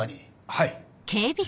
はい。